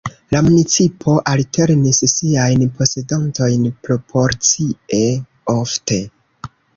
La municipo alternis siajn posedantojn proporcie ofte.